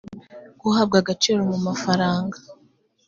guhabwa agaciro mu mafaranga